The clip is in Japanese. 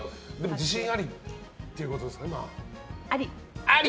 自信ありってことですかね。